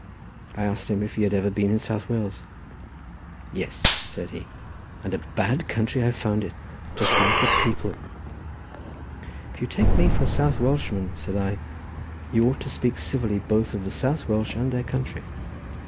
I asked him if he had ever been in South Wales. "Yes," said he; "and a bad country I found it; just like the people." "If you take me for a South Welshman," said I, "you ought to speak civilly both of the South Welsh and their country."